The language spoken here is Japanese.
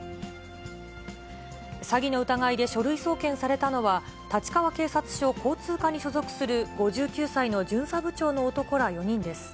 詐欺の疑いで書類送検されたのは、立川警察署交通課に所属する５９歳の巡査部長の男ら４人です。